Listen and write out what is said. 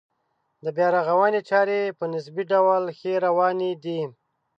د بیا رغونې چارې په نسبي ډول ښې روانې دي.